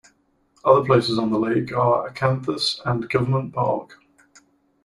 Other places on the lake are Acanthus and Government Park.